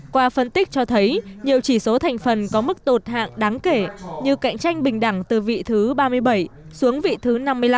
qua phân tích cho thấy nhiều chỉ số thành phần có mức tụt hạng đáng kể như cạnh tranh bình đẳng từ vị thứ ba mươi bảy xuống vị thứ năm mươi năm